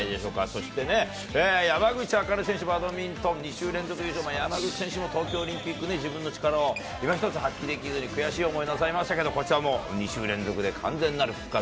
そしてね、山口茜選手、バドミントン、２週連続優勝、山口選手も、東京オリンピックね、自分の力を今一つ発揮できずに、悔しい思いをなさいましたけど、こちらも２週連続で、完全なる復活。